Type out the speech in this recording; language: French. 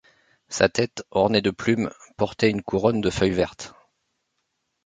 Sa tête, ornée de plumes, portait une couronne de feuilles vertes.